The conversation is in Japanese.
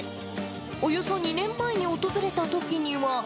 およそ２年前に訪れたときには。